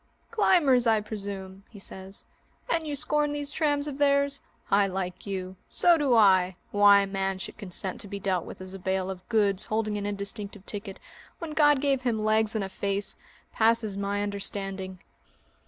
"Climbers, I presume?" he says, "and you scorn these trams of theirs? I like you. So do I! Why a man should consent to be dealt with as a bale of goods holding an indistinctive ticket when God gave him legs and a face passes my understanding."